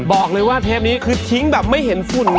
บอกเลยว่าเทปนี้คือทิ้งแบบไม่เห็นฝุ่นนะ